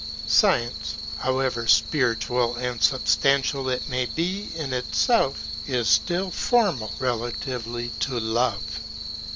Science, however spiritual and substantial it may be in itself, is still formal relatively to love.